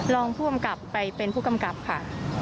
รองผู้กำกับไปเป็นผู้กำกับค่ะ